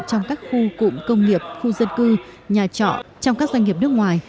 trong các khu cụm công nghiệp khu dân cư nhà trọ trong các doanh nghiệp nước ngoài